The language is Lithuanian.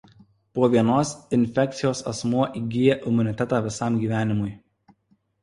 Po vienos infekcijos asmuo įgyja imunitetą visam gyvenimui.